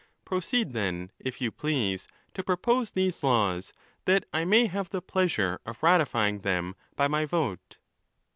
—Proceed, then, if you please, to propose these laws, that I may have the pleasure of ratifying them by my vote.